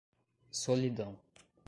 Solidão